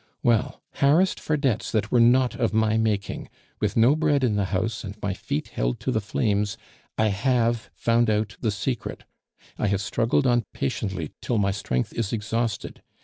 Well, harassed for debts that were not of my making, with no bread in the house, and my feet held to the flames, I have found out the secret. I have struggled on patiently till my strength is exhausted.